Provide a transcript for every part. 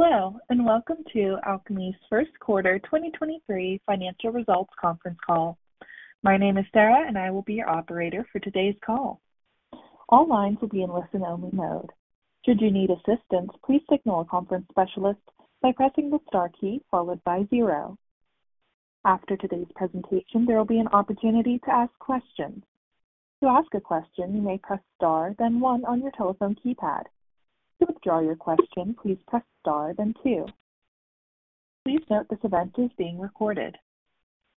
Hello, welcome to Alkami's first quarter 2023 financial results conference call. My name is Sarah, and I will be your operator for today's call. All lines will be in listen-only mode. Should you need assistance, please signal a conference specialist by pressing the star key followed by 0. After today's presentation, there will be an opportunity to ask questions. To ask a question, you may press star then one on your telephone keypad. To withdraw your question, please press star then two. Please note this event is being recorded.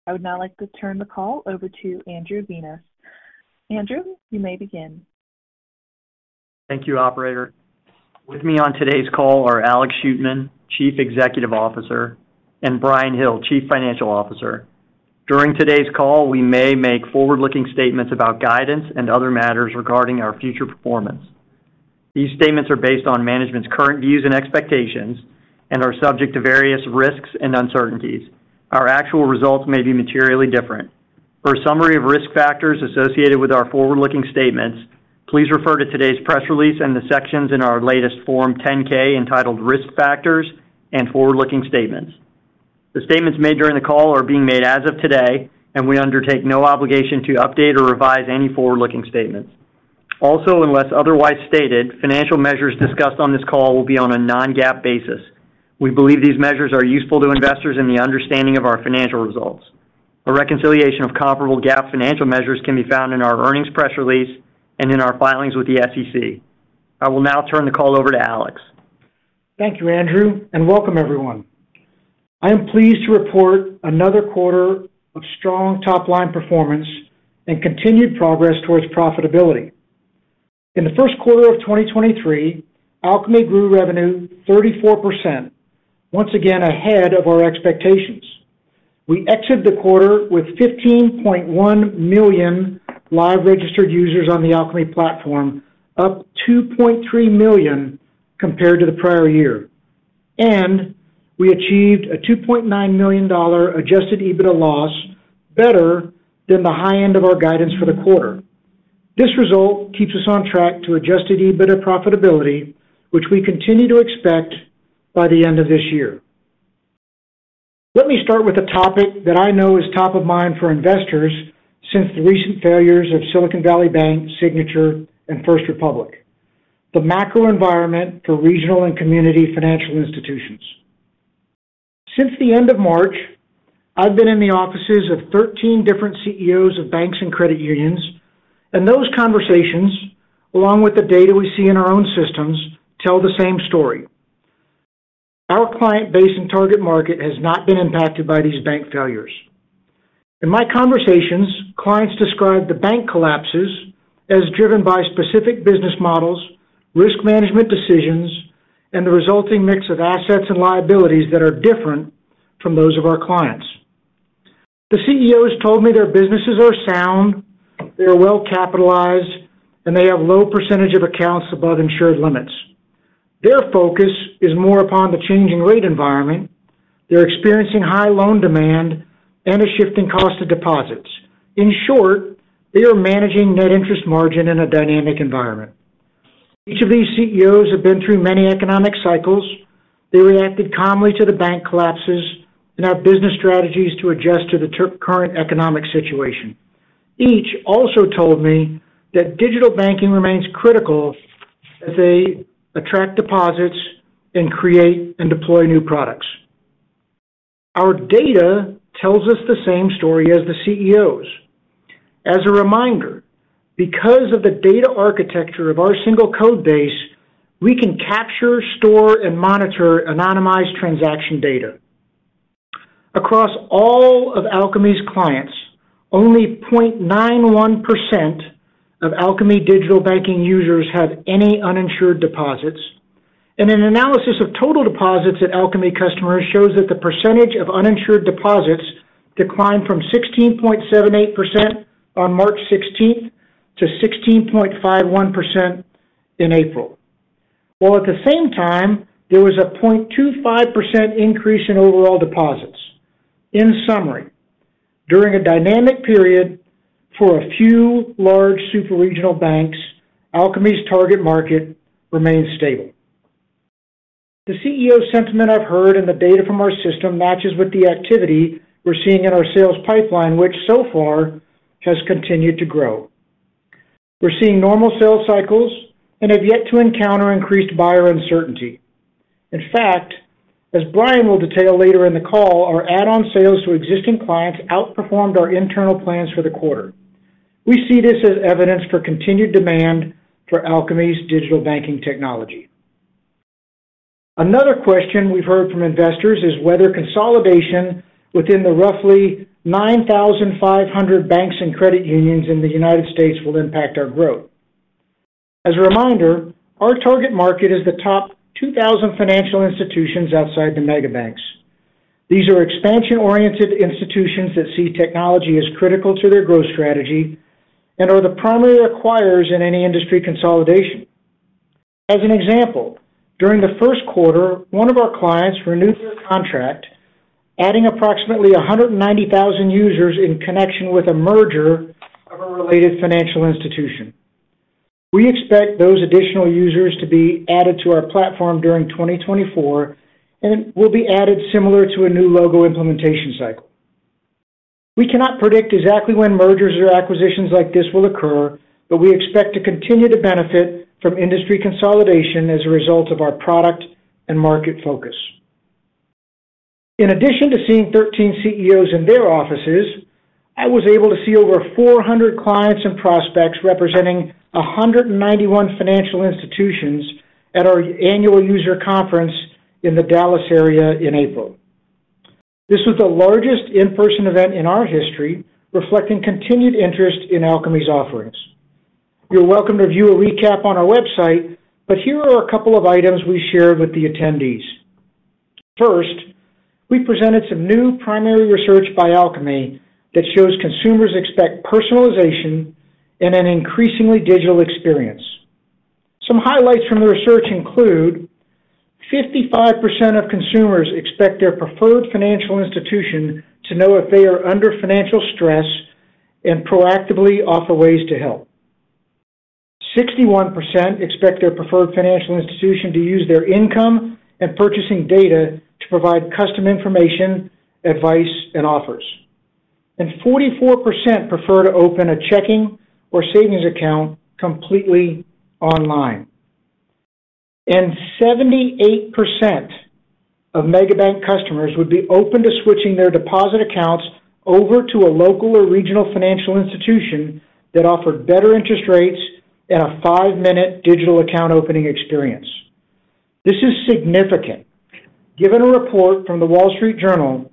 I would now like to turn the call over to Andrew Vinas. Andrew, you may begin. Thank you, operator. With me on today's call are Alex Shootman, Chief Executive Officer, and Bryan Hill, Chief Financial Officer. During today's call, we may make forward-looking statements about guidance and other matters regarding our future performance. These statements are based on management's current views and expectations and are subject to various risks and uncertainties. Our actual results may be materially different. For a summary of risk factors associated with our forward-looking statements, please refer to today's press release and the sections in our latest Form 10-K entitled Risk Factors and Forward-Looking Statements. The statements made during the call are being made as of today. We undertake no obligation to update or revise any forward-looking statements. Unless otherwise stated, financial measures discussed on this call will be on a non-GAAP basis. We believe these measures are useful to investors in the understanding of our financial results. A reconciliation of comparable GAAP financial measures can be found in our earnings press release and in our filings with the SEC. I will now turn the call over to Alex. Thank you, Andrew. Welcome everyone. I am pleased to report another quarter of strong top-line performance and continued progress towards profitability. In the first quarter of 2023, Alkami grew revenue 34%, once again ahead of our expectations. We exit the quarter with 15.1 million live registered users on the Alkami platform, up 2.3 million compared to the prior year. We achieved a $2.9 million Adjusted EBITDA loss better than the high end of our guidance for the quarter. This result keeps us on track to Adjusted EBITDA profitability, which we continue to expect by the end of this year. Let me start with a topic that I know is top of mind for investors since the recent failures of Silicon Valley Bank, Signature Bank and First Republic Bank, the macro environment for regional and community financial institutions. Since the end of March, I've been in the offices of 13 different CEOs of banks and credit unions, those conversations, along with the data we see in our own systems, tell the same story. Our client base and target market has not been impacted by these bank failures. In my conversations, clients describe the bank collapses as driven by specific business models, risk management decisions, and the resulting mix of assets and liabilities that are different from those of our clients. The CEOs told me their businesses are sound, they are well capitalized, and they have low percentage of accounts above insured limits. Their focus is more upon the changing rate environment. They're experiencing high loan demand and a shift in cost of deposits. In short, they are managing net interest margin in a dynamic environment. Each of these CEOs have been through many economic cycles. They reacted calmly to the bank collapses and have business strategies to adjust to the current economic situation. Each also told me that digital banking remains critical as they attract deposits and create and deploy new products. Our data tells us the same story as the CEOs. As a reminder, because of the data architecture of our single code base, we can capture, store, and monitor anonymized transaction data. Across all of Alkami's clients, only 0.91% of Alkami digital banking users have any uninsured deposits, and an analysis of total deposits at Alkami customers shows that the percentage of uninsured deposits declined from 16.78% on March 16th to 16.51% in April. While at the same time, there was a 0.25% increase in overall deposits. In summary, during a dynamic period for a few large superregional banks, Alkami's target market remained stable. The CEO sentiment I've heard and the data from our system matches with the activity we're seeing in our sales pipeline, which so far has continued to grow. We're seeing normal sales cycles and have yet to encounter increased buyer uncertainty. In fact, as Bryan will detail later in the call, our add-on sales to existing clients outperformed our internal plans for the quarter. We see this as evidence for continued demand for Alkami's digital banking technology. Another question we've heard from investors is whether consolidation within the roughly 9,500 banks and credit unions in the United States will impact our growth. As a reminder, our target market is the top 2,000 financial institutions outside the mega banks. These are expansion-oriented institutions that see technology as critical to their growth strategy and are the primary acquirers in any industry consolidation. As an example, during the first quarter, one of our clients renewed their contract, adding approximately 190,000 users in connection with a merger of a related financial institution. We expect those additional users to be added to our platform during 2024 and will be added similar to a new logo implementation cycle. We cannot predict exactly when mergers or acquisitions like this will occur, but we expect to continue to benefit from industry consolidation as a result of our product and market focus. In addition to seeing 13 CEOs in their offices, I was able to see over 400 clients and prospects representing 191 financial institutions at our annual user conference in the Dallas area in April. This was the largest in-person event in our history, reflecting continued interest in Alkami's offerings. You're welcome to view a recap on our website, but here are a couple of items we shared with the attendees. First, we presented some new primary research by Alkami that shows consumers expect personalization in an increasingly digital experience. Some highlights from the research include 55% of consumers expect their preferred financial institution to know if they are under financial stress and proactively offer ways to help. 61% expect their preferred financial institution to use their income and purchasing data to provide custom information, advice, and offers. 44% prefer to open a checking or savings account completely online. 78% of mega bank customers would be open to switching their deposit accounts over to a local or regional financial institution that offered better interest rates and a five-minute digital account opening experience. This is significant given a report from The Wall Street Journal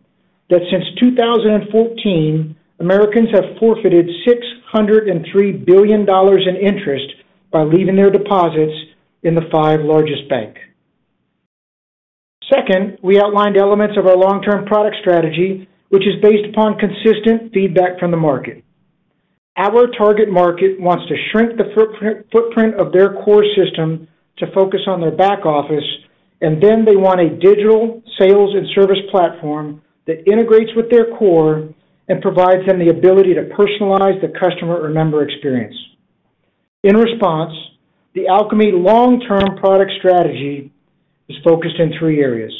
that since 2014, Americans have forfeited $603 billion in interest by leaving their deposits in the five largest bank. Second, we outlined elements of our long-term product strategy, which is based upon consistent feedback from the market. Our target market wants to shrink the footprint of their core system to focus on their back office, and then they want a digital sales and service platform that integrates with their core and provides them the ability to personalize the customer or member experience. In response, the Alkami long-term product strategy is focused in three areas.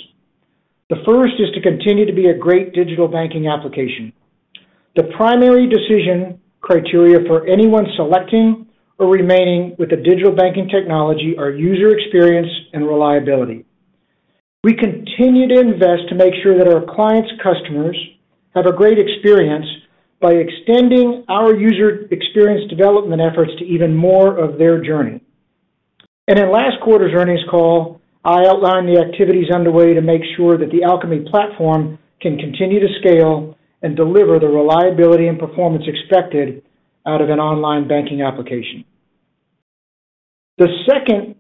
The first is to continue to be a great digital banking application. The primary decision criteria for anyone selecting or remaining with a digital banking technology are user experience and reliability. We continue to invest to make sure that our clients' customers have a great experience by extending our user experience development efforts to even more of their journey. In last quarter's earnings call, I outlined the activities underway to make sure that the Alkami platform can continue to scale and deliver the reliability and performance expected out of an online banking application. The second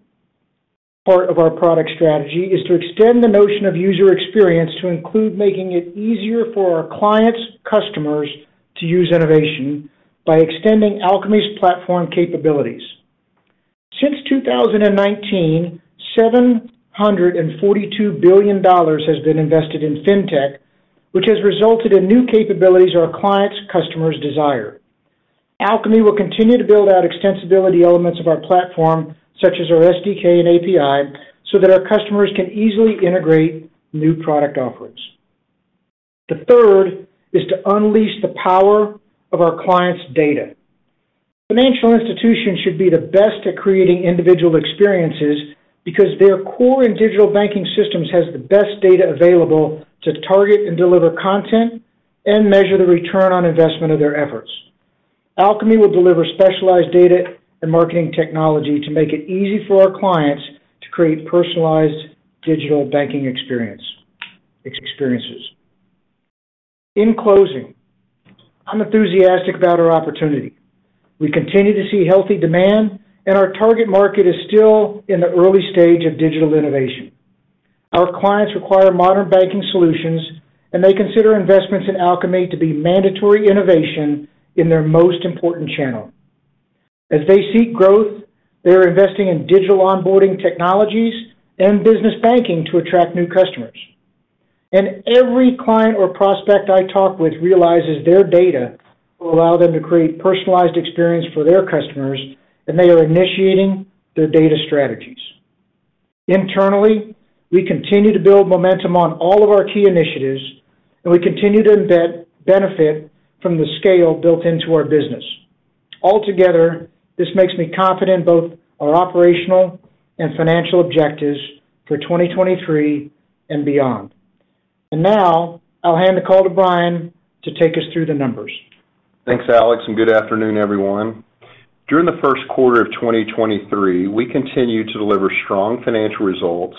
part of our product strategy is to extend the notion of user experience to include making it easier for our clients' customers to use innovation by extending Alkami's platform capabilities. Since 2019, $742 billion has been invested in fintech, which has resulted in new capabilities our clients' customers desire. Alkami will continue to build out extensibility elements of our platform such as our SDK and API, so that our customers can easily integrate new product offerings. The third is to unleash the power of our clients' data. Financial institutions should be the best at creating individual experiences because their core and digital banking systems has the best data available to target and deliver content and measure the return on investment of their efforts. Alkami will deliver specialized data and marketing technology to make it easy for our clients to create personalized digital banking experiences. In closing, I'm enthusiastic about our opportunity. We continue to see healthy demand, and our target market is still in the early stage of digital innovation. Our clients require modern banking solutions. They consider investments in Alkami to be mandatory innovation in their most important channel. As they seek growth, they are investing in digital onboarding technologies and business banking to attract new customers. Every client or prospect I talk with realizes their data will allow them to create personalized experience for their customers, and they are initiating their data strategies. Internally, we continue to build momentum on all of our key initiatives, and we continue to benefit from the scale built into our business. Altogether, this makes me confident both our operational and financial objectives for 2023 and beyond. Now, I'll hand the call to Bryan to take us through the numbers. Thanks, Alex. Good afternoon, everyone. During the first quarter of 2023, we continued to deliver strong financial results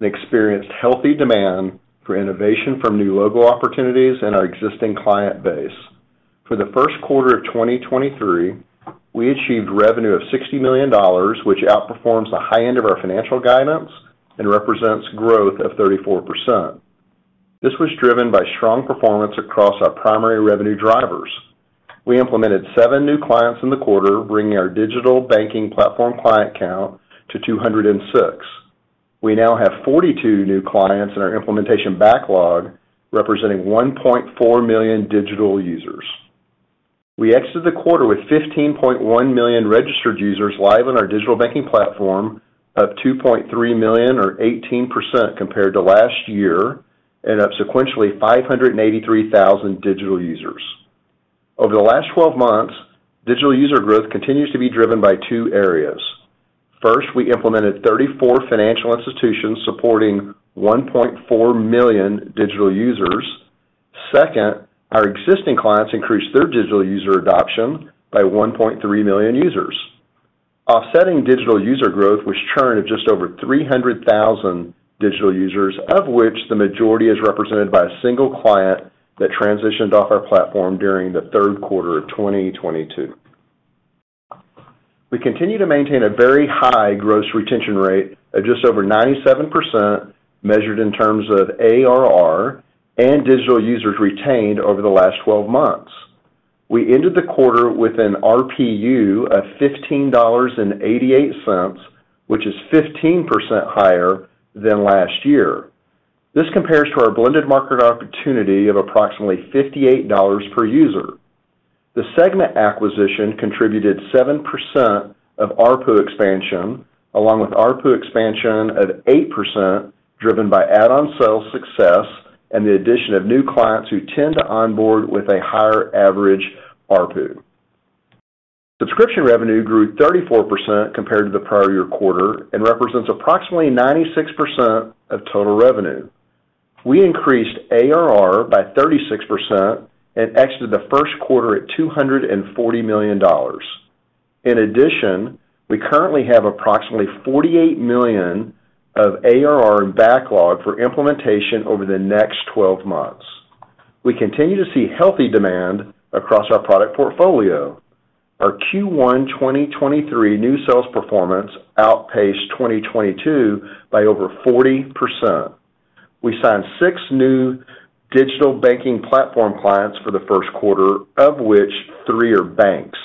and experienced healthy demand for innovation from new logo opportunities in our existing client base. For the first quarter of 2023, we achieved revenue of $60 million, which outperforms the high end of our financial guidance and represents growth of 34%. This was driven by strong performance across our primary revenue drivers. We implemented seven new clients in the quarter, bringing our digital banking platform client count to 206. We now have 42 new clients in our implementation backlog, representing 1.4 million digital users. We exited the quarter with 15.1 million registered users live on our digital banking platform, up 2.3 million or 18% compared to last year, and up sequentially 583,000 digital users. Over the last 12 months, digital user growth continues to be driven by two areas. First, we implemented 34 financial institutions supporting 1.4 million digital users. Second, our existing clients increased their digital user adoption by 1.3 million users. Offsetting digital user growth was churn of just over 300,000 digital users, of which the majority is represented by a single client that transitioned off our platform during the third quarter of 2022. We continue to maintain a very high gross retention rate of just over 97% measured in terms of ARR and digital users retained over the last 12 months. We ended the quarter with an RPU of $15.88, which is 15% higher than last year. This compares to our blended market opportunity of approximately $58 per user. The segment acquisition contributed 7% of ARPU expansion, along with ARPU expansion of 8%, driven by add-on sales success and the addition of new clients who tend to onboard with a higher average ARPU. Subscription revenue grew 34% compared to the prior year quarter and represents approximately 96% of total revenue. We increased ARR by 36% and exited the first quarter at $240 million. We currently have approximately $48 million of ARR in backlog for implementation over the next 12 months. We continue to see healthy demand across our product portfolio. Our Q1 2023 new sales performance outpaced 2022 by over 40%. We signed six new digital banking platform clients for the first quarter, of which three are banks.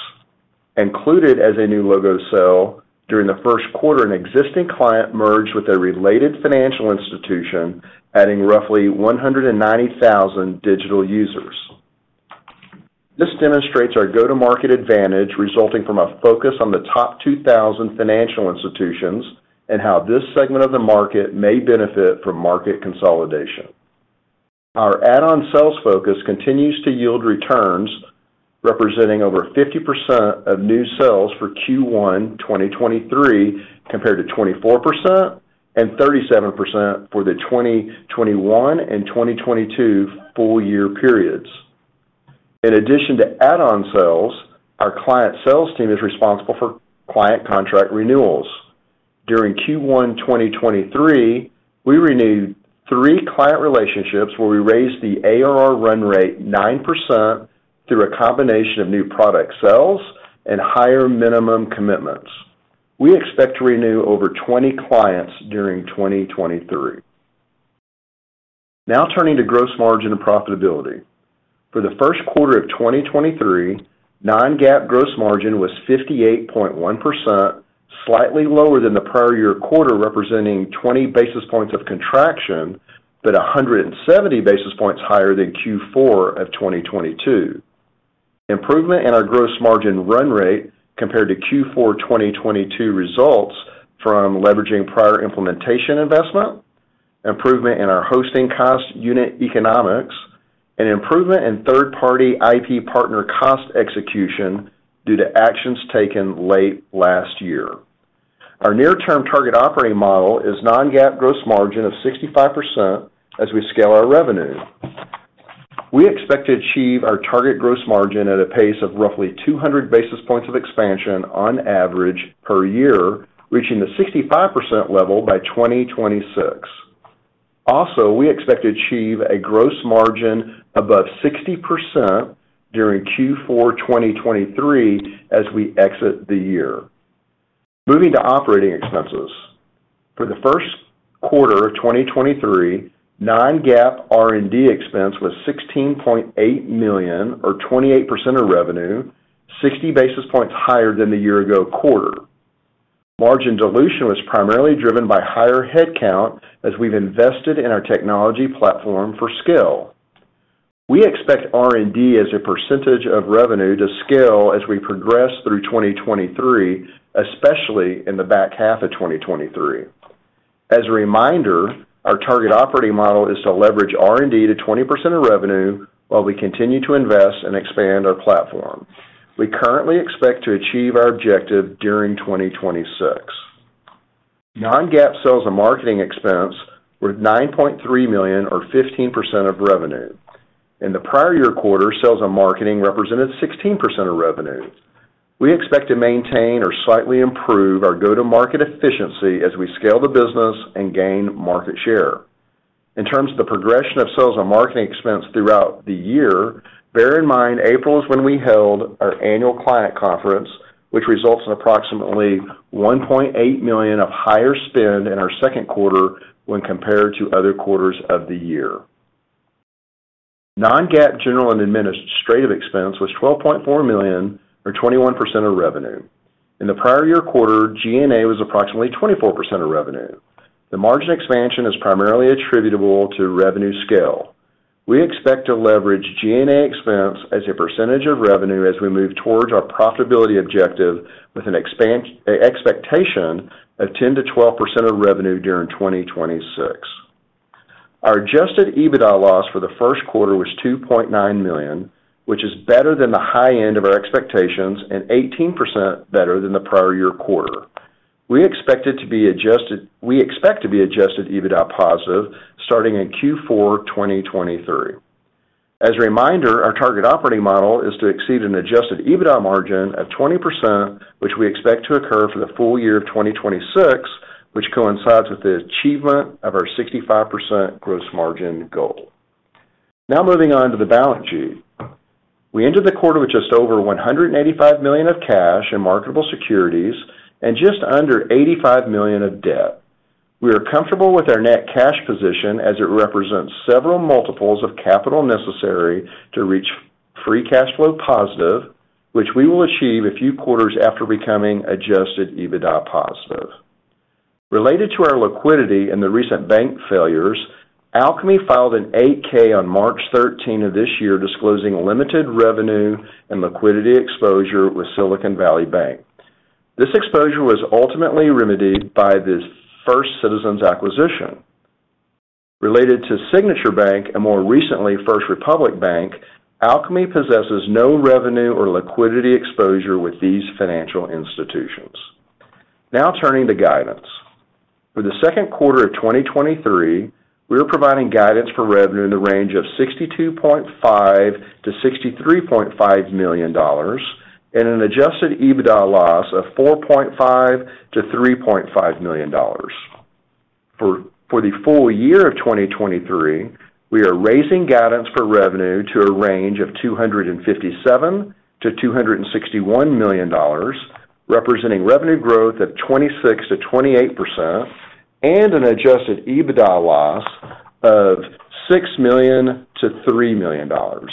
Included as a new logo sale, during the first quarter, an existing client merged with a related financial institution, adding roughly 190,000 digital users. This demonstrates our go-to-market advantage resulting from a focus on the top 2,000 financial institutions and how this segment of the market may benefit from market consolidation. Our add-on sales focus continues to yield returns, representing over 50% of new sales for Q1 2023, compared to 24% and 37% for the 2021 and 2022 full year periods. In addition to add-on sales, our client sales team is responsible for client contract renewals. During Q1 2023, we renewed three client relationships where we raised the ARR run rate 9% through a combination of new product sales and higher minimum commitments. We expect to renew over 20 clients during 2023. Now turning to gross margin and profitability. For the first quarter of 2023, non-GAAP gross margin was 58.1%, slightly lower than the prior year quarter, representing 20 basis points of contraction, but 170 basis points higher than Q4 2022. Improvement in our gross margin run rate compared to Q4 2022 results from leveraging prior implementation investment, improvement in our hosting cost unit economics, and improvement in third-party IP partner cost execution due to actions taken late last year. Our near-term target operating model is non-GAAP gross margin of 65% as we scale our revenue. We expect to achieve our target gross margin at a pace of roughly 200 basis points of expansion on average per year, reaching the 65% level by 2026. We expect to achieve a gross margin above 60% during Q4 2023 as we exit the year. Moving to operating expenses. For the first quarter of 2023, non-GAAP R&D expense was $16.8 million or 28% of revenue, 60 basis points higher than the year-ago quarter. Margin dilution was primarily driven by higher headcount as we've invested in our technology platform for scale. We expect R&D as a percentage of revenue to scale as we progress through 2023, especially in the back half of 2023. As a reminder, our target operating model is to leverage R&D to 20% of revenue while we continue to invest and expand our platform. We currently expect to achieve our objective during 2026. Non-GAAP sales and marketing expense were $9.3 million or 15% of revenue. In the prior year quarter, sales and marketing represented 16% of revenue. We expect to maintain or slightly improve our go-to-market efficiency as we scale the business and gain market share. In terms of the progression of sales and marketing expense throughout the year, bear in mind April is when we held our annual client conference, which results in approximately $1.8 million of higher spend in our second quarter when compared to other quarters of the year. Non-GAAP general and administrative expense was $12.4 million or 21% of revenue. In the prior year quarter, G&A was approximately 24% of revenue. The margin expansion is primarily attributable to revenue scale. We expect to leverage G&A expense as a percentage of revenue as we move towards our profitability objective with an expectation of 10%-12% of revenue during 2026. Our Adjusted EBITDA loss for the first quarter was $2.9 million, which is better than the high end of our expectations and 18% better than the prior year quarter. We expect to be Adjusted EBITDA positive starting in Q4 2023. As a reminder, our target operating model is to exceed an Adjusted EBITDA margin of 20%, which we expect to occur for the full year of 2026, which coincides with the achievement of our 65% gross margin goal. Moving on to the balance sheet. We ended the quarter with just over $185 million of cash and marketable securities and just under $85 million of debt. We are comfortable with our net cash position as it represents several multiples of capital necessary to reach free cash flow positive, which we will achieve a few quarters after becoming Adjusted EBITDA positive. Related to our liquidity and the recent bank failures, Alkami filed an 8-K on March 13 of this year disclosing limited revenue and liquidity exposure with Silicon Valley Bank. This exposure was ultimately remedied by this First Citizens acquisition. Related to Signature Bank and more recently, First Republic Bank, Alkami possesses no revenue or liquidity exposure with these financial institutions. Now turning to guidance. For the second quarter of 2023, we are providing guidance for revenue in the range of $62.5 million-$63.5 million and an Adjusted EBITDA loss of $4.5 million-$3.5 million. For the full year of 2023, we are raising guidance for revenue to a range of $257 million-$261 million, representing revenue growth of 26%-28% and an Adjusted EBITDA loss of $6 million-$3 million. Because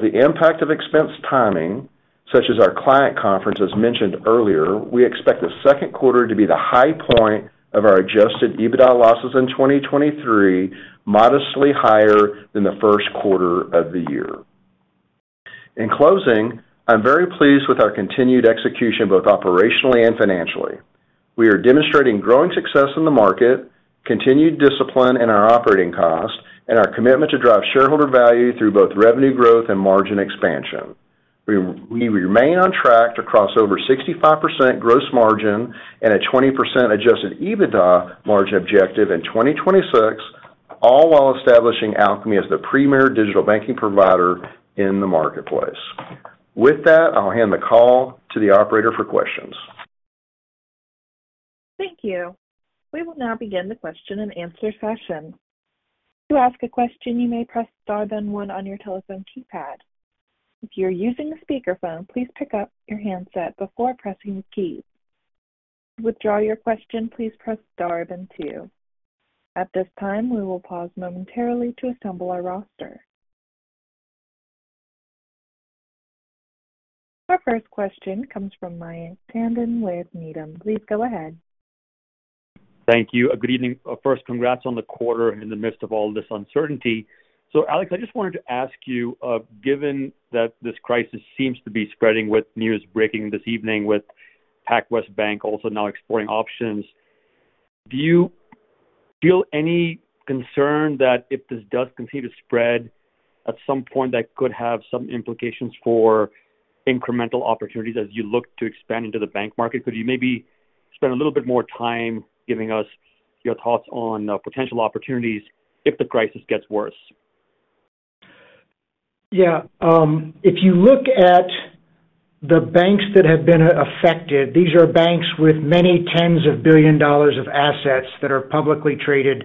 the impact of expense timing, such as our client conference as mentioned earlier, we expect the second quarter to be the high point of our Adjusted EBITDA losses in 2023, modestly higher than the first quarter of the year. In closing, I'm very pleased with our continued execution both operationally and financially. We are demonstrating growing success in the market, continued discipline in our operating cost, and our commitment to drive shareholder value through both revenue growth and margin expansion. We remain on track to cross over 65% gross margin and a 20% Adjusted EBITDA margin objective in 2026, all while establishing Alkami as the premier digital banking provider in the marketplace. With that, I'll hand the call to the operator for questions. Thank you. We will now begin the question and answer session. To ask a question, you may press star then one on your telephone keypad. If you're using a speakerphone, please pick up your handset before pressing the keys. To withdraw your question, please press star then two. At this time, we will pause momentarily to assemble our roster. Our first question comes from Mayank Tandon with Needham. Please go ahead. Thank you. Good evening. First, congrats on the quarter in the midst of all this uncertainty. Alex, I just wanted to ask you, given that this crisis seems to be spreading with news breaking this evening with PacWest Bank also now exploring options, do you feel any concern that if this does continue to spread at some point that could have some implications for incremental opportunities as you look to expand into the bank market? Could you maybe spend a little bit more time giving us your thoughts on potential opportunities if the crisis gets worse? If you look at the banks that have been affected, these are banks with many tens of billion dollars of assets that are publicly traded,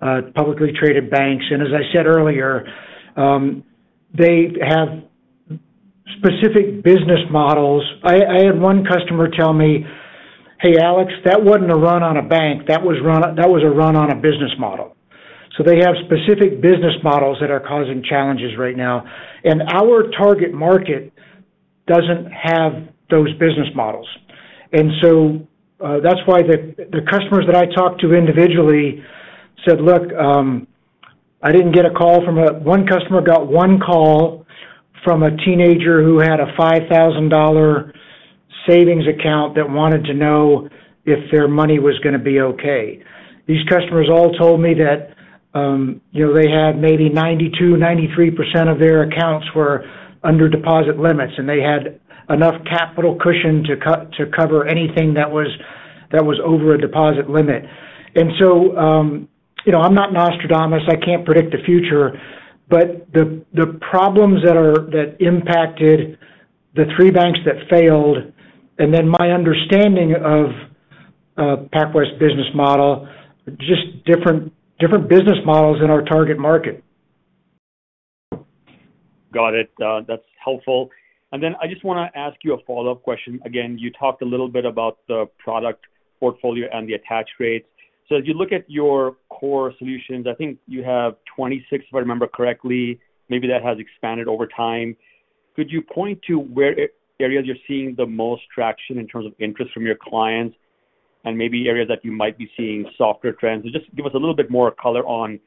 publicly traded banks. As I said earlier, they have specific business models. I had one customer tell me, "Hey, Alex, that wasn't a run on a bank, that was a run on a business model." They have specific business models that are causing challenges right now, and our target market doesn't have those business models. That's why the customers that I talked to individually said, "Look, I didn't get a call from a." One customer got one call from a teenager who had a $5,000 savings account that wanted to know if their money was gonna be okay. These customers all told me that, you know, they had maybe 92%-93% of their accounts were under deposit limits, and they had enough capital cushion to cover anything that was over a deposit limit. You know, I'm not Nostradamus, I can't predict the future. The problems that impacted the three banks that failed, and then my understanding of PacWest business model, just different business models in our target market. Got it. That's helpful. I just wanna ask you a follow-up question. Again, you talked a little bit about the product portfolio and the attach rates. As you look at your core solutions, I think you have 26, if I remember correctly, maybe that has expanded over time. Could you point to areas you're seeing the most traction in terms of interest from your clients and maybe areas that you might be seeing softer trends? Just give us a little bit more color on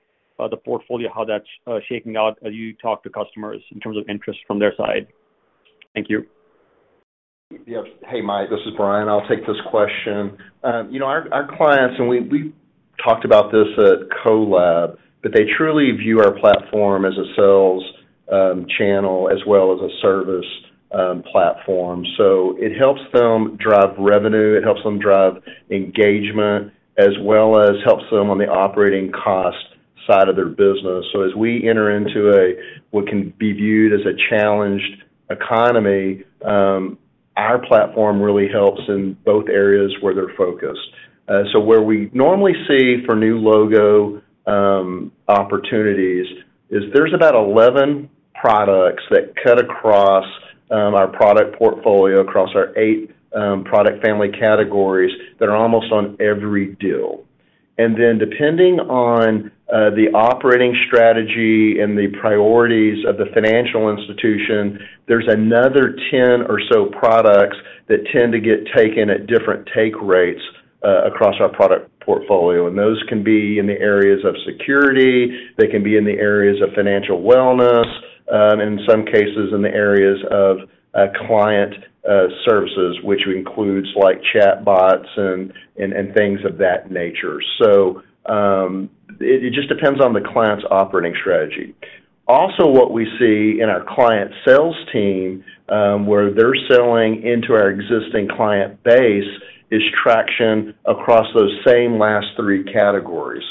the portfolio, how that's shaking out as you talk to customers in terms of interest from their side. Thank you. Yeah. Hey, Mayank, this is Bryan. I'll take this question. you know, our clients, and we talked about this at Co:lab, but they truly view our platform as a sales channel as well as a service platform. It helps them drive revenue, it helps them drive engagement, as well as helps them on the operating cost side of their business. As we enter into a, what can be viewed as a challenged economy, our platform really helps in both areas where they're focused. Where we normally see for new logo opportunities is there's about 11 products that cut across our product portfolio, across our eight product family categories that are almost on every deal. Depending on the operating strategy and the priorities of the financial institution, there's another 10 or so products that tend to get taken at different take rates across our product portfolio. Those can be in the areas of security, they can be in the areas of financial wellness, in some cases in the areas of client services, which includes like chatbots and things of that nature. It just depends on the client's operating strategy. Also, what we see in our client sales team, where they're selling into our existing client base is traction across those same last three categories.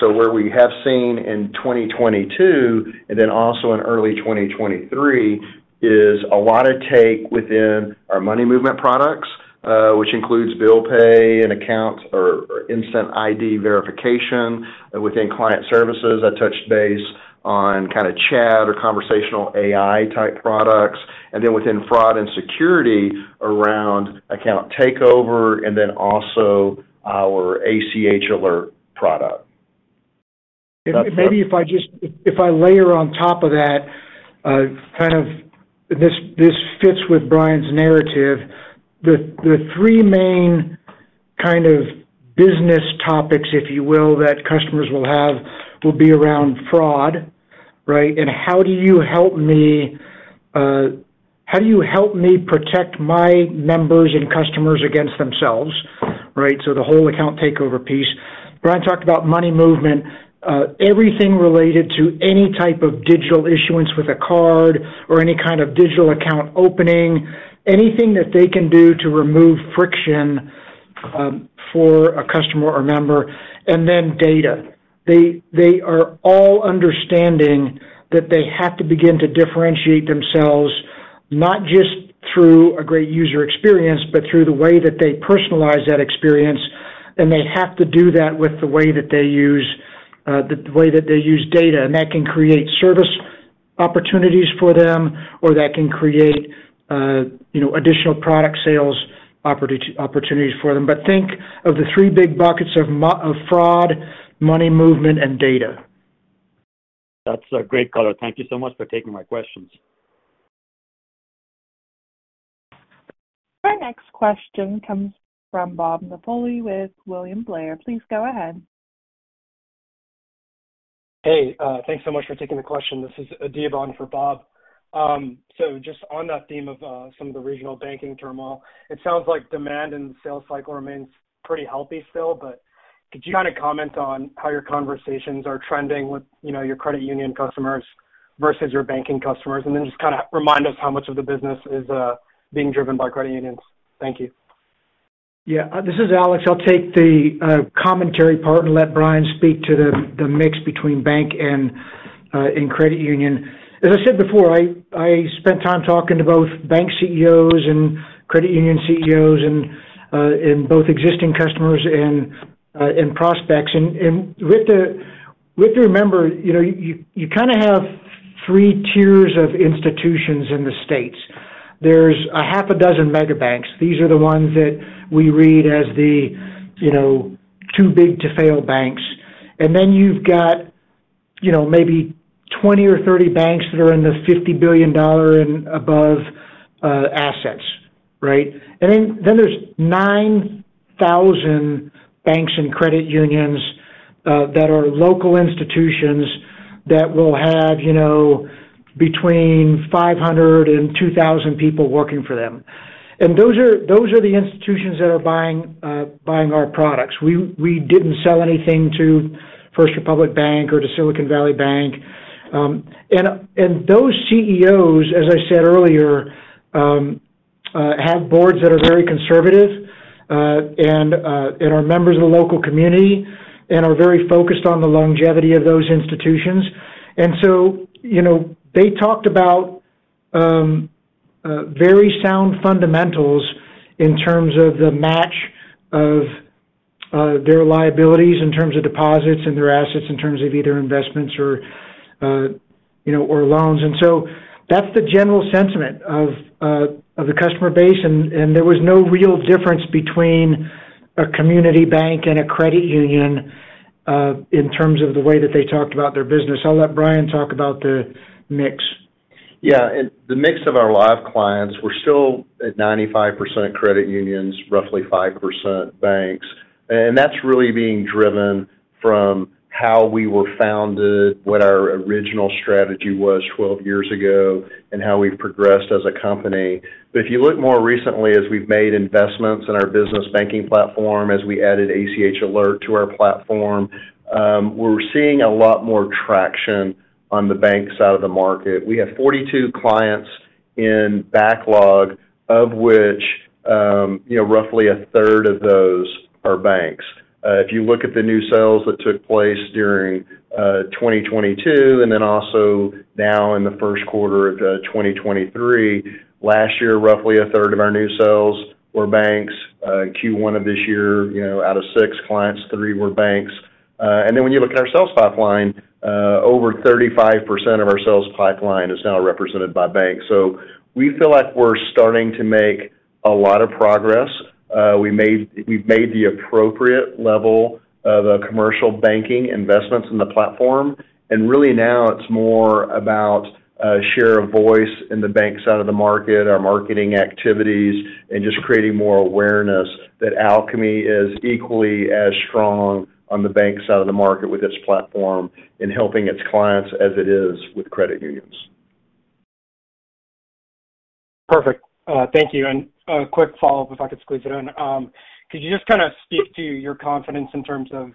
Where we have seen in 2022 and also in early 2023 is a lot of take within our money movement products, which includes bill pay and account or instant ID verification. Within client services, that touched base on kinda chat or conversational AI-type products. Within fraud and security around account takeover and then also our ACH Alert product. That's- Maybe If I layer on top of that, kind of this fits with Bryan's narrative. The three main kind of business topics, if you will, that customers will have will be around fraud, right? How do you help me protect my members and customers against themselves, right? So the whole account takeover piece. Bryan talked about money movement. Everything related to any type of digital issuance with a card or any kind of digital account opening, anything that they can do to remove friction for a customer or member, then data. They are all understanding that they have to begin to differentiate themselves, not just through a great user experience, but through the way that they personalize that experience, and they have to do that with the way that they use data. That can create service opportunities for them, or that can create, you know, additional product sales opportunities for them. Think of the three big buckets of fraud, money movement, and data. That's a great color. Thank you so much for taking my questions. Our next question comes from Bob Napoli with William Blair. Please go ahead. Hey. Thanks so much for taking the question. This is Adiabon for Bob. Just on that theme of some of the regional banking turmoil, it sounds like demand and sales cycle remains pretty healthy still. Could you kinda comment on how your conversations are trending with, you know, your credit union customers versus your banking customers? Then just kinda remind us how much of the business is being driven by credit unions. Thank you. Yeah. This is Alex. I'll take the commentary part and let Bryan speak to the mix between bank and credit union. As I said before, I spent time talking to both bank CEOs and credit union CEOs and both existing customers and prospects. With the member, you know, you kinda have three tiers of institutions in the States. There's a half a dozen mega banks. These are the ones that we read as the, you know, too big to fail banks. Then you've got, you know, maybe 20 or 30 banks that are in the $50 billion and above assets, right? Then there's 9,000 banks and credit unions that are local institutions that will have, you know, between 500 and 2,000 people working for them. Those are the institutions that are buying our products. We didn't sell anything to First Republic Bank or to Silicon Valley Bank. Those CEOs, as I said earlier, have boards that are very conservative and are members of the local community and are very focused on the longevity of those institutions. You know, they talked about very sound fundamentals in terms of the match of their liabilities in terms of deposits and their assets in terms of either investments or, you know, or loans. That's the general sentiment of the customer base. There was no real difference between a community bank and a credit union in terms of the way that they talked about their business. I'll let Bryan talk about the mix. Yeah. The mix of our live clients, we're still at 95% credit unions, roughly 5% banks. That's really being driven from how we were founded, what our original strategy was 12 years ago, and how we've progressed as a company. If you look more recently as we've made investments in our business banking platform, as we added ACH Alert to our platform, we're seeing a lot more traction on the bank side of the market. We have 42 clients in backlog, of which, you know, roughly a third of those are banks. If you look at the new sales that took place during 2022 and then also now in the first quarter of 2023, last year, roughly a third of our new sales were banks. Q1 of this year, you know, out of six clients, three were banks. When you look at our sales pipeline, over 35% of our sales pipeline is now represented by banks. We feel like we're starting to make a lot of progress. We've made the appropriate level of commercial banking investments in the platform. Really now it's more about share of voice in the bank side of the market, our marketing activities, and just creating more awareness that Alkami is equally as strong on the bank side of the market with its platform in helping its clients as it is with credit unions. Perfect. Thank you. A quick follow-up, if I could squeeze it in. Could you just kinda speak to your confidence in terms of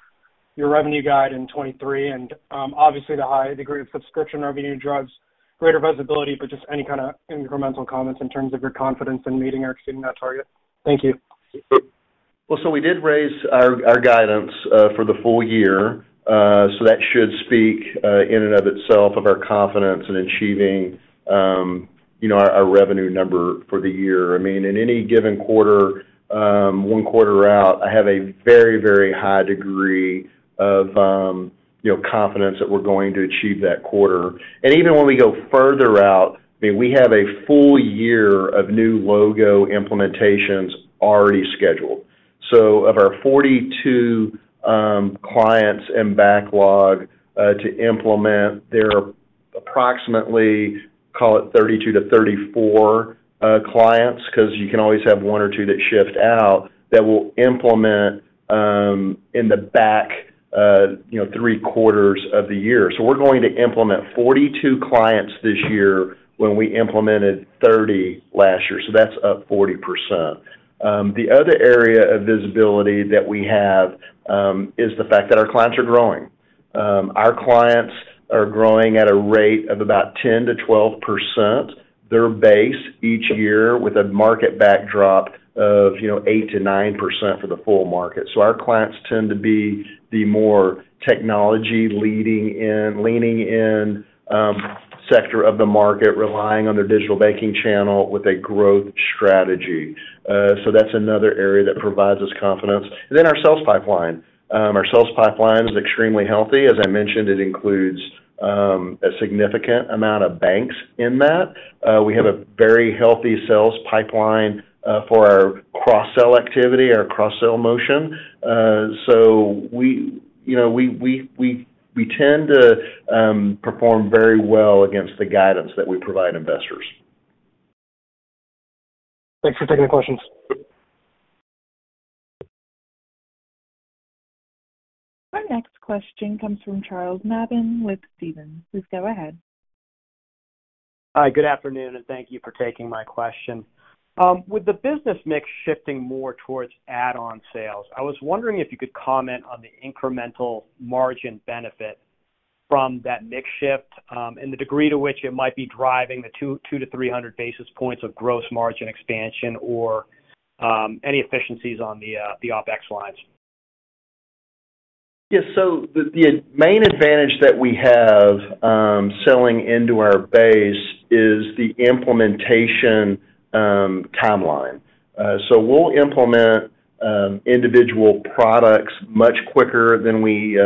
your revenue guide in 2023? Obviously, the high degree of subscription revenue drives greater visibility, but just any kinda incremental comments in terms of your confidence in meeting or exceeding that target. Thank you. Well, we did raise our guidance for the full year. That should speak in and of itself of our confidence in achieving, you know, our revenue number for the year. I mean, in any given quarter, one quarter out, I have a very, very high degree of, you know, confidence that we're going to achieve that quarter. Even when we go further out, I mean, we have a full year of new logo implementations already scheduled. Of our 42 clients in backlog to implement, there are approximately, call it 32 to 34 clients, 'cause you can always have one or two that shift out, that will implement in the back, you know, three quarters of the year. We're going to implement 42 clients this year when we implemented 30 last year, that's up 40%. The other area of visibility that we have is the fact that our clients are growing. Our clients are growing at a rate of about 10%-12% their base each year with a market backdrop of, you know, 8%-9% for the full market. Our clients tend to be the more technology leaning in sector of the market, relying on their digital banking channel with a growth strategy. That's another area that provides us confidence. Our sales pipeline. Our sales pipeline is extremely healthy. As I mentioned, it includes a significant amount of banks in that. We have a very healthy sales pipeline for our cross-sell activity, our cross-sell motion. We, you know, we tend to perform very well against the guidance that we provide investors. Thanks for taking the questions. Our next question comes from Charles Nabhan with Stephens. Please go ahead. Hi. Good afternoon, and thank you for taking my question. With the business mix shifting more towards add-on sales, I was wondering if you could comment on the incremental margin benefit from that mix shift, and the degree to which it might be driving the 200-300 basis points of gross margin expansion or any efficiencies on the OpEx lines. Yes. The main advantage that we have selling into our base is the implementation timeline. We'll implement individual products much quicker than we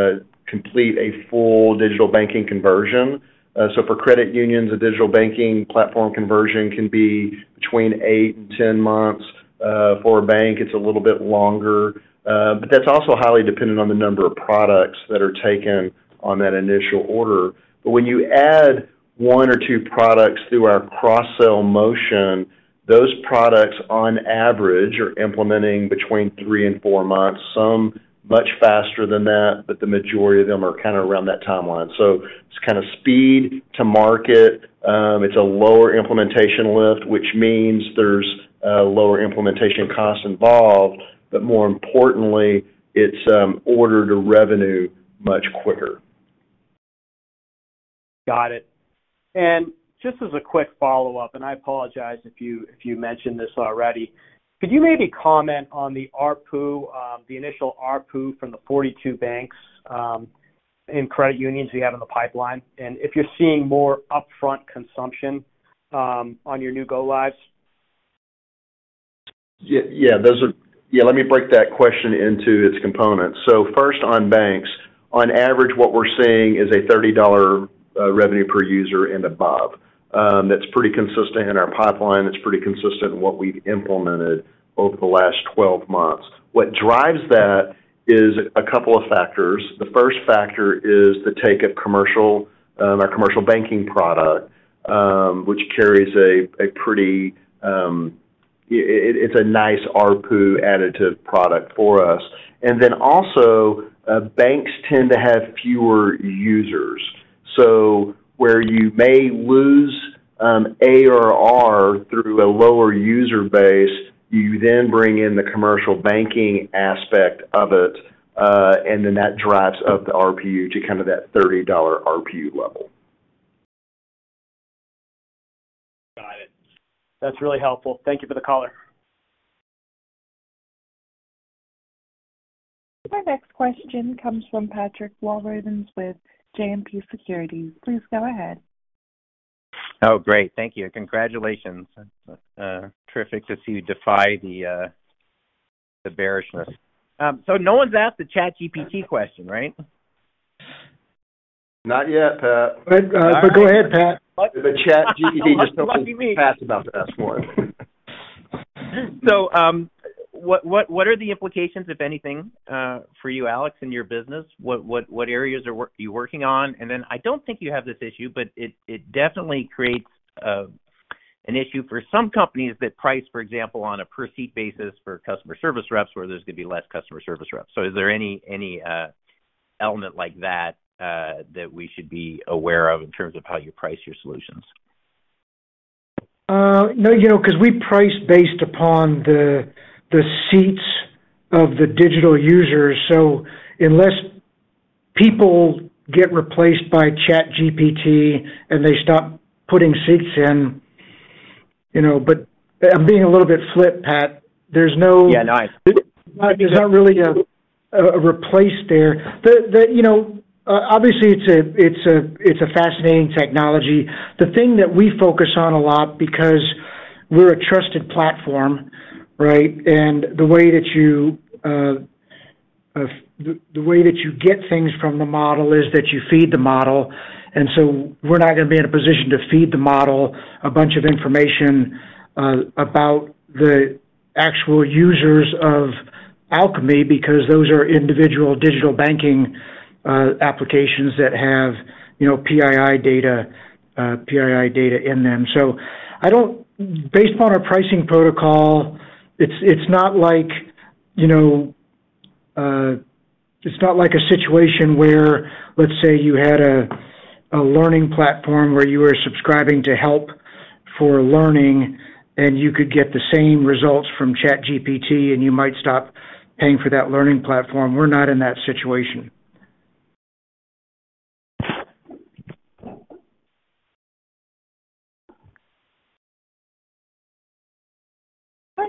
complete a full digital banking conversion. For credit unions, a digital banking platform conversion can be between eight to 10 months. For a bank, it's a little bit longer. That's also highly dependent on the number of products that are taken on that initial order. When you add one or two products through our cross-sell motion, those products on average are implementing between three and four months, some much faster than that, but the majority of them are kind of around that timeline. It's kind of speed to market. It's a lower implementation lift, which means there's lower implementation costs involved, but more importantly, it's order to revenue much quicker. Got it. Just as a quick follow-up, and I apologize if you, if you mentioned this already. Could you maybe comment on the ARPU, the initial ARPU from the 42 banks, and credit unions you have in the pipeline, and if you're seeing more upfront consumption, on your new go lives? Let me break that question into its components. First on banks. On average, what we're seeing is a $30 revenue per user and above. That's pretty consistent in our pipeline. That's pretty consistent in what we've implemented over the last 12 months. What drives that is a couple of factors. The first factor is the take of commercial, our commercial banking product, which carries a pretty. It's a nice ARPU additive product for us. Also, banks tend to have fewer users. Where you may lose ARR through a lower user base, you then bring in the commercial banking aspect of it, that drives up the RPU to kind of that $30 RPU level. Got it. That's really helpful. Thank you for the color. Our next question comes from Patrick Walravens with JMP Securities. Please go ahead. Oh, great. Thank you. Congratulations. Terrific to see you defy the bearishness. No one's asked the ChatGPT question, right? Not yet, Pat. Go ahead, Pat. The ChatGPT just about to ask for it. What are the implications, if anything, for you, Alex, in your business? What areas are you working on? I don't think you have this issue, but it definitely creates an issue for some companies that price, for example, on a per seat basis for customer service reps, where there's gonna be less customer service reps. Is there any element like that that we should be aware of in terms of how you price your solutions? No, you know, 'cause we price based upon the seats of the digital users. Unless people get replaced by ChatGPT, and they stop putting seats in, you know. I'm being a little bit flip, Pat. There's no. Yeah, no. There's not really a replace there. The, you know, obviously it's a fascinating technology. The thing that we focus on a lot because we're a trusted platform, right? The way that you, the way that you get things from the model is that you feed the model. We're not gonna be in a position to feed the model a bunch of information about the actual users of Alkami because those are individual digital banking applications that have, you know, PII data in them. I don't... Based upon our pricing protocol, it's not like, you know, it's not like a situation where, let's say, you had a learning platform where you were subscribing to help for learning, and you could get the same results from ChatGPT, and you might stop paying for that learning platform. We're not in that situation.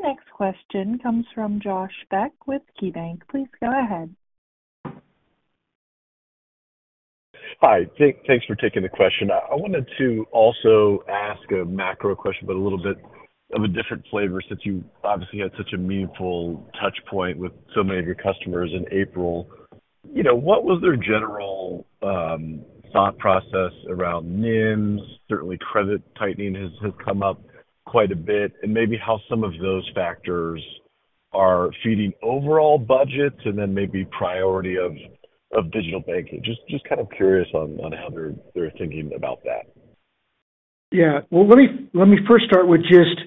Our next question comes from Josh Beck with KeyBanc. Please go ahead. Hi, thanks for taking the question. I wanted to also ask a macro question, but a little bit of a different flavor since you obviously had such a meaningful touchpoint with so many of your customers in April. You know, what was their general thought process around NIMs? Certainly, credit tightening has come up quite a bit. Maybe how some of those factors are feeding overall budgets and then maybe priority of digital banking. Just kind of curious on how they're thinking about that. Well, let me first start with just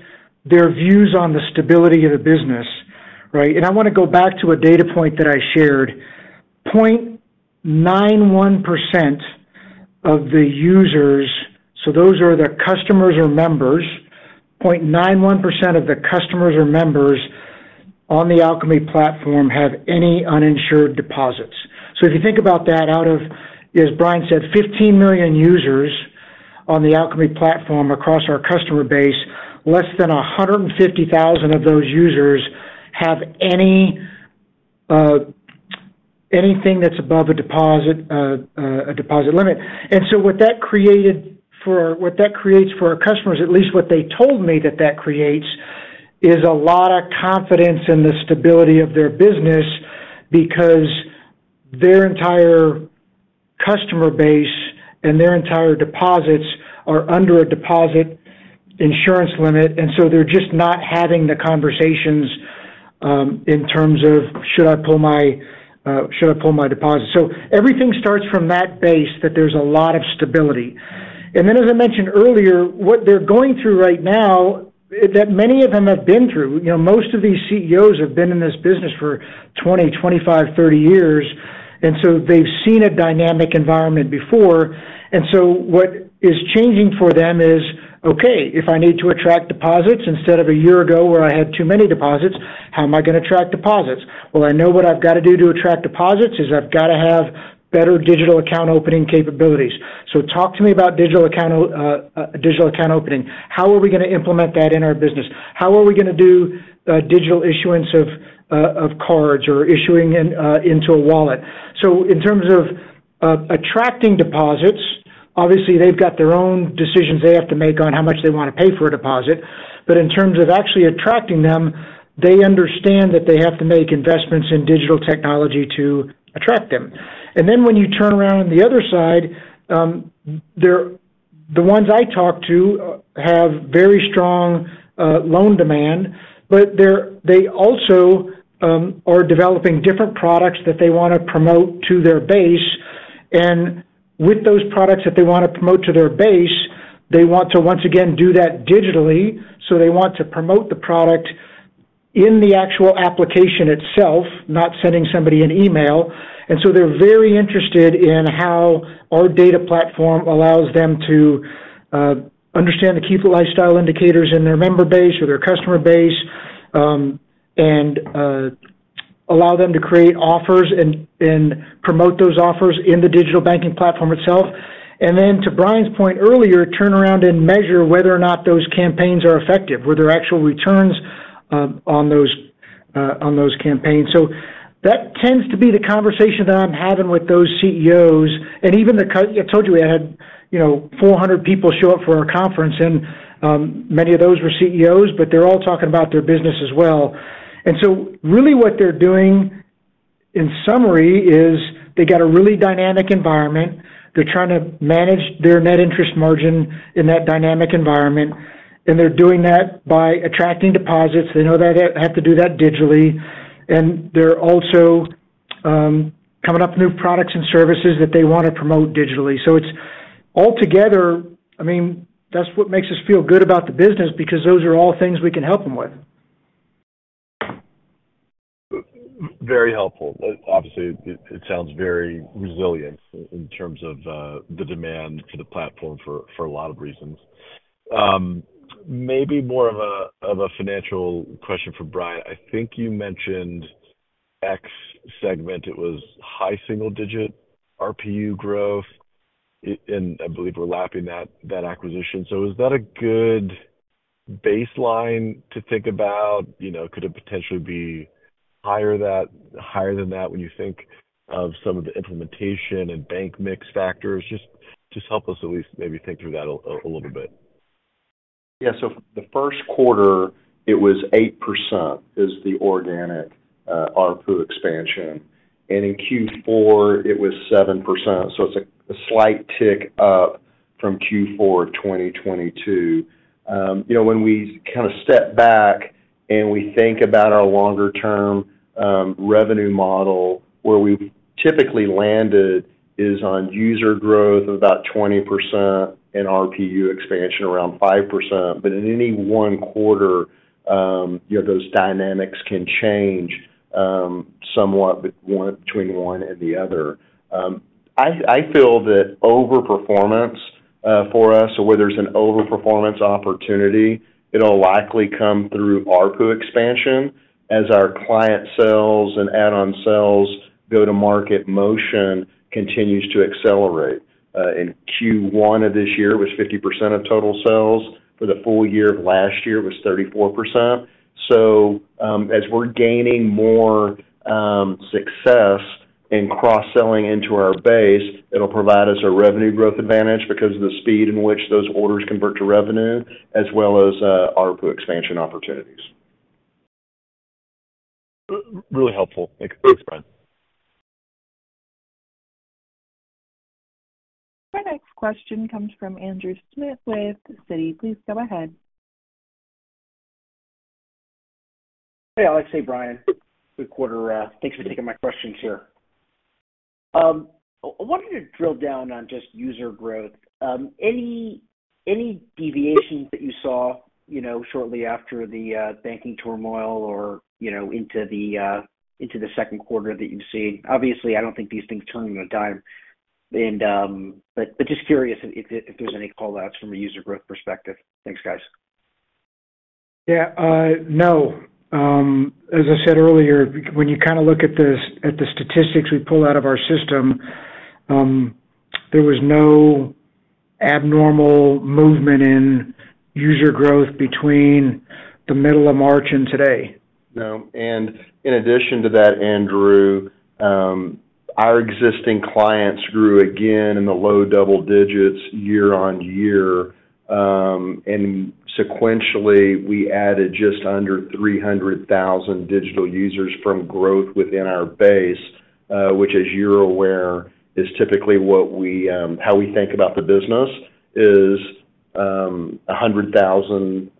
their views on the stability of the business, right? I wanna go back to a data point that I shared. 0.91% of the users, so those are the customers or members. 0.91% of the customers or members on the Alkami platform have any uninsured deposits. If you think about that, out of, as Bryan said, 15 million users on the Alkami platform across our customer base, less than 150,000 of those users have any anything that's above a deposit a deposit limit. What that creates for our customers, at least what they told me that that creates, is a lot of confidence in the stability of their business because their entire customer base and their entire deposits are under a deposit insurance limit. They're just not having the conversations in terms of should I pull my deposit. Everything starts from that base that there's a lot of stability. Then, as I mentioned earlier, what they're going through right now, that many of them have been through. You know, most of these CEOs have been in this business for 20, 25, 30 years, and so they've seen a dynamic environment before. What is changing for them is, okay, if I need to attract deposits instead of a year ago where I had too many deposits, how am I gonna attract deposits? Well, I know what I've got to do to attract deposits, is I've got to have better digital account opening capabilities. Talk to me about digital account opening. How are we gonna implement that in our business? How are we gonna do digital issuance of cards or issuing into a wallet? In terms of attracting deposits, obviously, they've got their own decisions they have to make on how much they want to pay for a deposit. In terms of actually attracting them, they understand that they have to make investments in digital technology to attract them. When you turn around on the other side, the ones I talk to have very strong loan demand, they also are developing different products that they wanna promote to their base. With those products that they wanna promote to their base, they want to once again do that digitally. They want to promote the product in the actual application itself, not sending somebody an email. They're very interested in how our data platform allows them to understand the key lifestyle indicators in their member base or their customer base, and allow them to create offers and promote those offers in the digital banking platform itself. To Bryan's point earlier, turn around and measure whether or not those campaigns are effective. Were there actual returns on those on those campaigns? That tends to be the conversation that I'm having with those CEOs. Even I told you, we had, you know, 400 people show up for our conference, and many of those were CEOs, but they're all talking about their business as well. Really what they're doing in summary is they've got a really dynamic environment. They're trying to manage their net interest margin in that dynamic environment, and they're doing that by attracting deposits. They know they have to do that digitally, and they're also coming up with new products and services that they wanna promote digitally. It's altogether. I mean, that's what makes us feel good about the business because those are all things we can help them with. Very helpful. Obviously, it sounds very resilient in terms of the demand for the platform for a lot of reasons. Maybe more of a financial question for Bryan. I think you mentioned X segment, it was high single-digit RPU growth. And I believe we're lapping that acquisition. Is that a good baseline to think about? You know, could it potentially be higher than that when you think of some of the implementation and bank mix factors? Just help us at least maybe think through that a little bit. Yeah. The first quarter it was 8% is the organic ARPU expansion, and in Q4 it was 7%. It's a slight tick up from Q4 of 2022. You know, when we kind of step back and we think about our longer term revenue model, where we've typically landed is on user growth of about 20% and RPU expansion around 5%. In any one quarter, you know, those dynamics can change somewhat between one and the other. I feel that overperformance for us or where there's an overperformance opportunity, it'll likely come through ARPU expansion as our client sales and add-on sales go to market motion continues to accelerate. In Q1 of this year, it was 50% of total sales. For the full year of last year, it was 34%. As we're gaining more success in cross-selling into our base, it'll provide us a revenue growth advantage because of the speed in which those orders convert to revenue as well as ARPU expansion opportunities. really helpful. Thanks. Thanks, Bryan. Our next question comes from Andrew Schmidt with Citi. Please go ahead. Hey, Alex. Hey, Bryan. Good quarter. Thanks for taking my questions here. I wanted to drill down on just user growth. Any deviations that you saw, you know, shortly after the banking turmoil or, you know, into the second quarter that you've seen? Obviously, I don't think these things turn on a dime and, but just curious if there's any call-outs from a user growth perspective. Thanks, guys. Yeah. No. As I said earlier, when you kind of look at the statistics we pull out of our system, there was no abnormal movement in user growth between the middle of March and today. No. In addition to that, Andrew, our existing clients grew again in the low double digits year-over-year. Sequentially, we added just under 300,000 digital users from growth within our base, which as you're aware, is typically what we, how we think about the business is, 100,000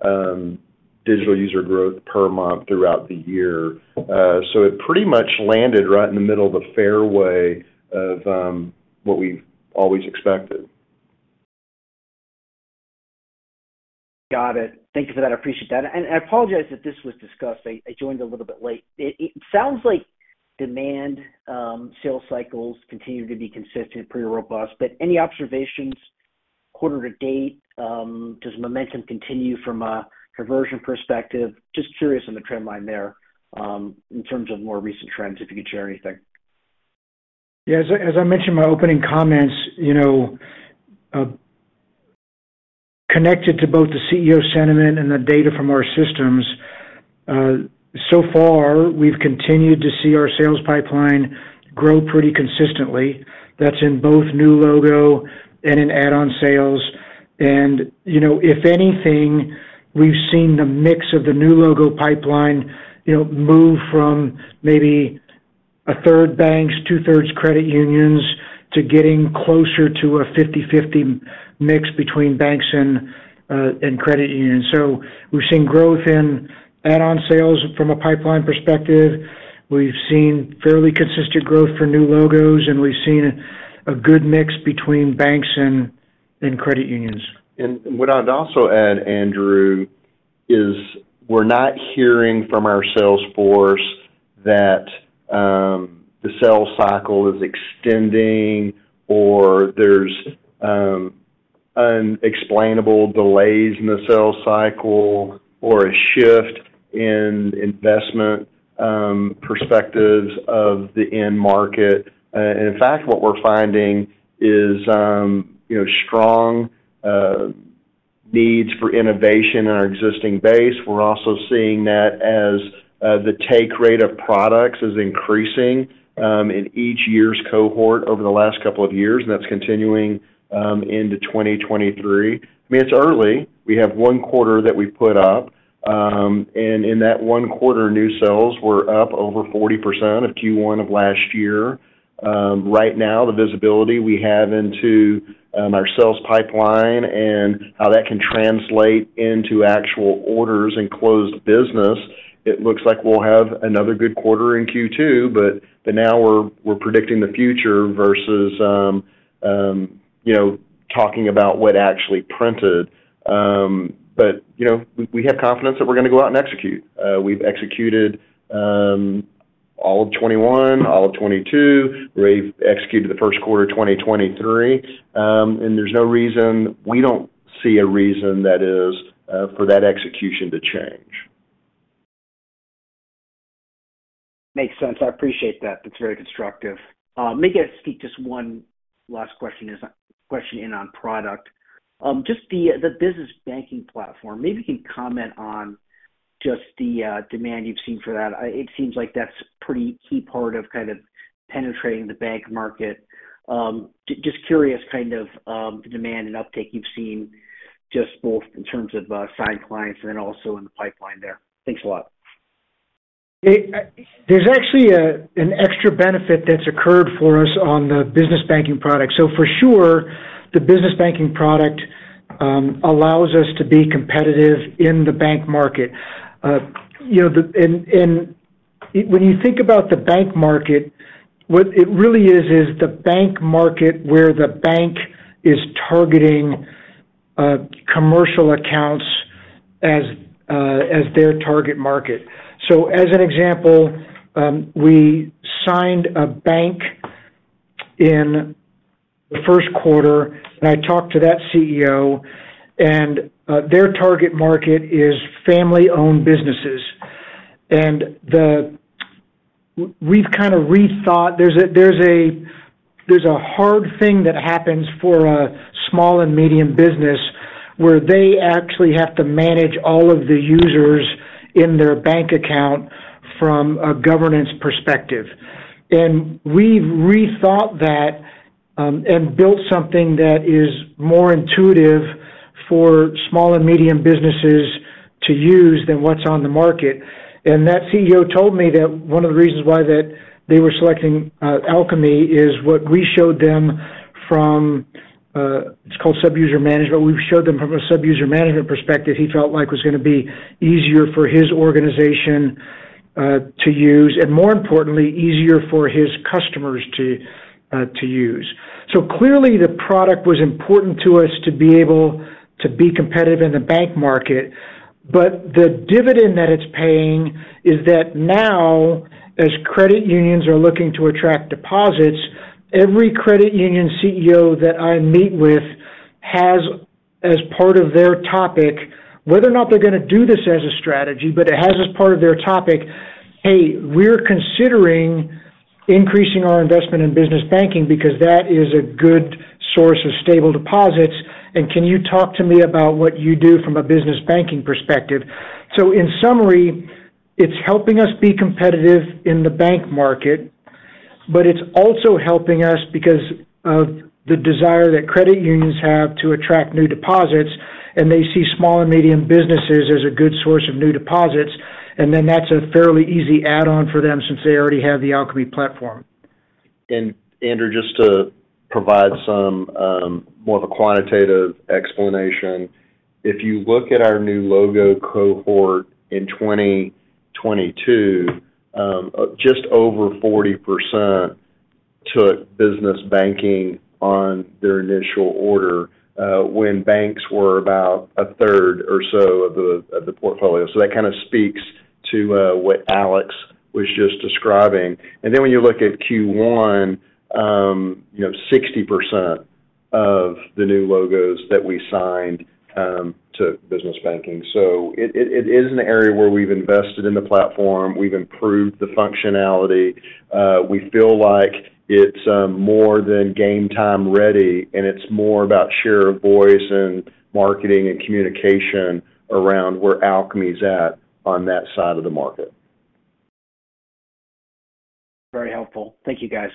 digital user growth per month throughout the year. It pretty much landed right in the middle of the fairway of what we've always expected. Got it. Thank you for that. I appreciate that. I apologize if this was discussed. I joined a little bit late. It sounds like demand, sales cycles continue to be consistent, pretty robust. Any observations quarter to date, does momentum continue from a conversion perspective? Just curious on the trend line there, in terms of more recent trends, if you could share anything. Yeah. As I mentioned in my opening comments, you know, Connected to both the CEO sentiment and the data from our systems, so far, we've continued to see our sales pipeline grow pretty consistently. That's in both new logo and in add-on sales. You know, if anything, we've seen the mix of the new logo pipeline, you know, move from maybe a third banks, two-thirds credit unions to getting closer to a 50/50 mix between banks and credit unions. We've seen growth in add-on sales from a pipeline perspective. We've seen fairly consistent growth for new logos, and we've seen a good mix between banks and credit unions. What I'd also add, Andrew, is we're not hearing from our sales force that the sales cycle is extending or there's unexplainable delays in the sales cycle or a shift in investment perspectives of the end market. In fact, what we're finding is, you know, strong needs for innovation in our existing base. We're also seeing that as the take rate of products is increasing in each year's cohort over the last couple of years, and that's continuing into 2023. I mean, it's early. We have one quarter that we put up, and in that one quarter, new sales were up over 40% of Q1 of last year. Right now, the visibility we have into our sales pipeline and how that can translate into actual orders and closed business, it looks like we'll have another good quarter in Q2, but now we're predicting the future versus, you know, talking about what actually printed. You know, we have confidence that we're gonna go out and execute. We've executed all of 2021, all of 2022. We've executed the first quarter, 2023. We don't see a reason that is for that execution to change. Makes sense. I appreciate that. That's very constructive. Maybe I'll sneak just one last question as a question in on product. Just the business banking platform. Maybe you can comment on just the demand you've seen for that. It seems like that's pretty key part of kind of penetrating the bank market. Just curious kind of the demand and uptake you've seen just both in terms of signed clients and then also in the pipeline there. Thanks a lot. It, there's actually a, an extra benefit that's occurred for us on the business banking product. For sure, the business banking product, allows us to be competitive in the bank market. You know, and when you think about the bank market, what it really is the bank market where the bank is targeting, commercial accounts as their target market. As an example, we signed a bank in the first quarter, and I talked to that CEO, and their target market is family-owned businesses. The... We've kind of rethought... There's a hard thing that happens for a small and medium business where they actually have to manage all of the users in their bank account from a governance perspective. We've rethought that and built something that is more intuitive for small and medium businesses to use than what's on the market. That CEO told me that one of the reasons why that they were selecting Alkami is what we showed them from, it's called sub-user management. We showed them from a sub-user management perspective, he felt like was gonna be easier for his organization to use, and more importantly, easier for his customers to use. Clearly, the product was important to us to be able to be competitive in the bank market. The dividend that it's paying is that now, as credit unions are looking to attract deposits, every credit union CEO that I meet with has as part of their topic, whether or not they're gonna do this as a strategy, but it has as part of their topic, "Hey, we're considering increasing our investment in business banking because that is a good source of stable deposits, and can you talk to me about what you do from a business banking perspective?" In summary, it's helping us be competitive in the bank market, but it's also helping us because of the desire that credit unions have to attract new deposits, and they see small and medium businesses as a good source of new deposits. That's a fairly easy add-on for them since they already have the Alkami platform. Andrew, just to provide some more of a quantitative explanation. If you look at our new logo cohort in 2022, just over 40% took business banking on their initial order, when banks were about a third or so of the portfolio. That kind of speaks to what Alex was just describing. When you look at Q1, you know, 60% of the new logos that we signed took business banking. It is an area where we've invested in the platform. We've improved the functionality. We feel like it's more than game time ready, and it's more about share of voice and marketing and communication around where Alkami's at on that side of the market. Very helpful. Thank you, guys.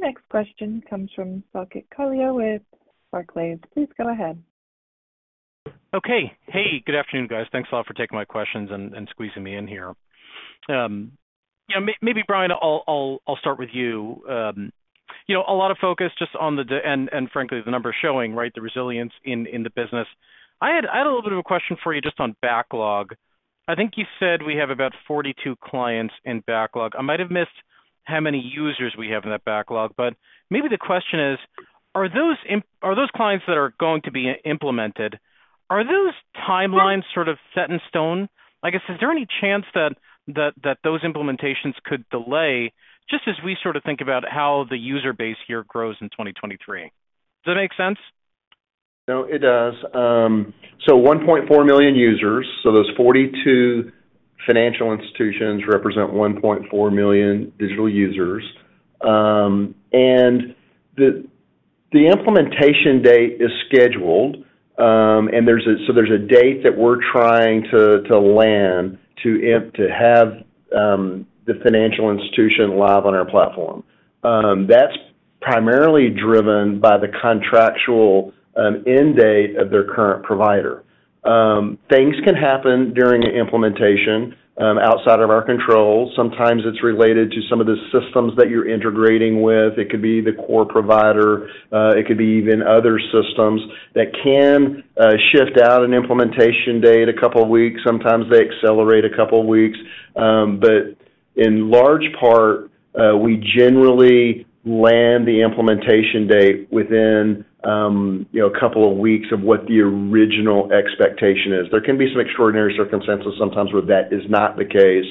Our next question comes from Saket Kalia with Barclays. Please go ahead. Okay. Hey, good afternoon, guys. Thanks a lot for taking my questions and squeezing me in here. Yeah, maybe Bryan, I'll start with you. You know, a lot of focus just on the and, frankly, the numbers showing, right, the resilience in the business. I had a little bit of a question for you just on backlog. I think you said we have about 42 clients in backlog. I might have missed how many users we have in that backlog, but maybe the question is: Are those clients that are going to be implemented, are those timelines sort of set in stone? Like I said, is there any chance that those implementations could delay just as we sort of think about how the user base here grows in 2023? Does that make sense? No, it does. 1.4 million users. Those 42 financial institutions represent 1.4 million digital users. The implementation date is scheduled, and there's a date that we're trying to land to have the financial institution live on our platform. That's primarily driven by the contractual end date of their current provider. Things can happen during implementation outside of our control. Sometimes it's related to some of the systems that you're integrating with. It could be the core provider. It could be even other systems that can shift out an implementation date a couple of weeks. Sometimes they accelerate a couple of weeks. In large part, we generally land the implementation date within, you know, a couple of weeks of what the original expectation is. There can be some extraordinary circumstances sometimes where that is not the case.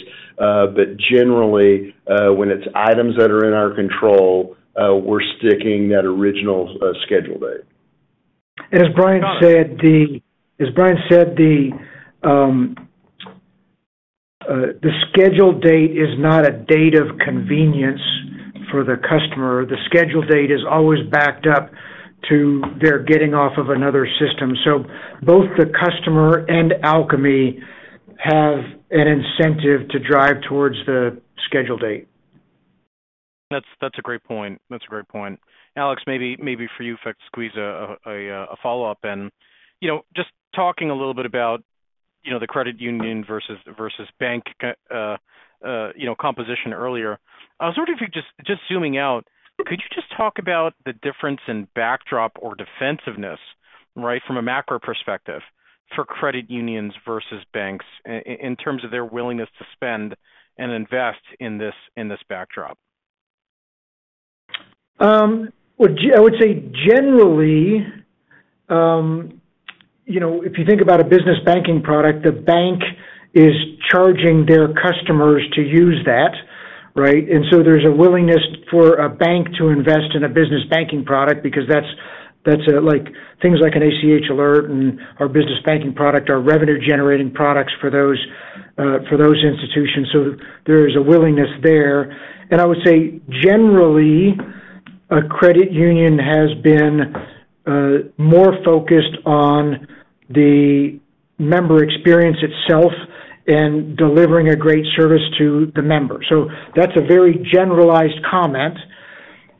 Generally, when it's items that are in our control, we're sticking that original schedule date. As Brian said, the scheduled date is not a date of convenience for the customer. The scheduled date is always backed up to their getting off of another system. Both the customer and Alkami have an incentive to drive towards the scheduled date. That's a great point. That's a great point. Alex, maybe for you if I could squeeze a follow-up. You know, just talking a little bit about, you know, the credit union versus bank, you know, composition earlier. I was wondering if you just zooming out, could you just talk about the difference in backdrop or defensiveness, right, from a macro perspective for credit unions versus banks in terms of their willingness to spend and invest in this backdrop? I would say generally, you know, if you think about a business banking product, the bank is charging their customers to use that, right? There's a willingness for a bank to invest in a business banking product because that's, like, things like an ACH Alert and our business banking product are revenue-generating products for those institutions. There is a willingness there. I would say generally, a credit union has been more focused on the member experience itself and delivering a great service to the member. That's a very generalized comment.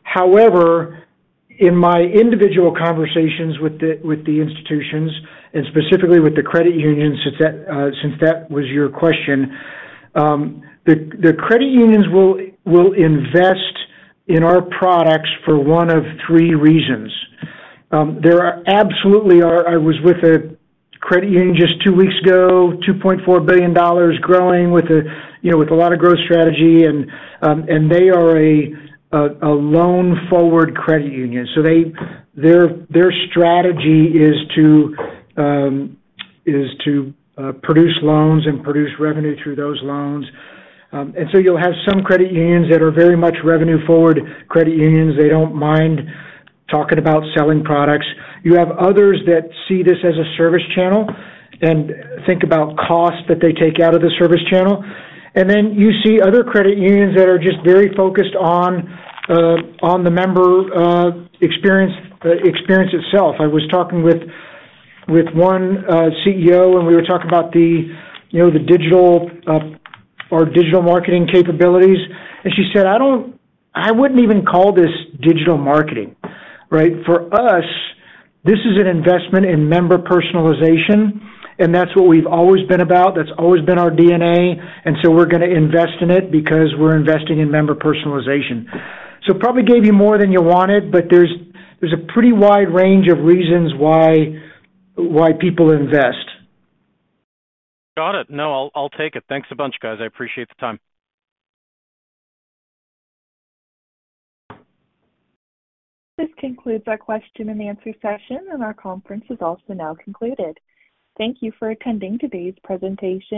However, in my individual conversations with the institutions and specifically with the credit unions, since that was your question, the credit unions will invest in our products for one of three reasons. There are absolutely I was with a credit union just two weeks ago, $2.4 billion growing with a, you know, with a lot of growth strategy and they are a loan-forward credit union. Their strategy is to produce loans and produce revenue through those loans. You'll have some credit unions that are very much revenue forward credit unions. They don't mind talking about selling products. You have others that see this as a service channel and think about costs that they take out of the service channel. Then you see other credit unions that are just very focused on the member experience itself. I was talking with one CEO, we were talking about the, you know, the digital or digital marketing capabilities. She said, "I wouldn't even call this digital marketing, right? For us, this is an investment in member personalization, and that's what we've always been about. That's always been our DNA, and so we're gonna invest in it because we're investing in member personalization." Probably gave you more than you wanted, but there's a pretty wide range of reasons why people invest. Got it. No, I'll take it. Thanks a bunch, guys. I appreciate the time. This concludes our question and answer session, and our conference is also now concluded. Thank you for attending today's presentation.